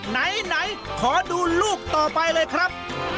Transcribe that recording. ไหนขอดูลูกต่อไปเลยครับ